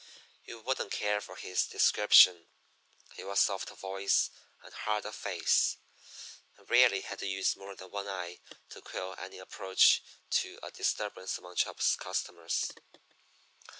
You wouldn't care for his description he was soft of voice and hard of face, and rarely had to use more than one eye to quell any approach to a disturbance among Chubb's customers.